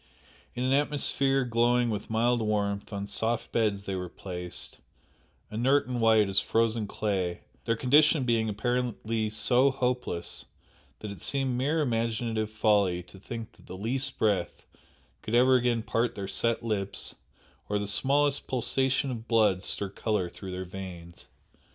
In an atmosphere glowing with mild warmth, on soft beds they were placed, inert and white as frozen clay, their condition being apparently so hopeless that it seemed mere imaginative folly to think that the least breath could ever again part their set lips or the smallest pulsation of blood stir colour through their veins.